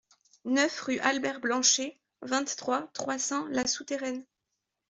neuf rue Albert Blanchet, vingt-trois, trois cents, La Souterraine